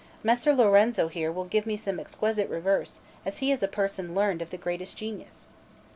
Messer Lorenzo here will give me some exquisite reverse, as he is a person learned and of the greatest genius."